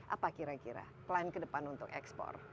apa kira kira plan ke depan untuk ekspor